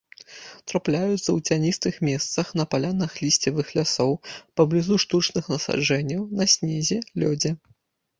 Трапляюцца ў цяністых месцах, на палянах лісцевых лясоў, паблізу штучных насаджэнняў, на снезе, лёдзе.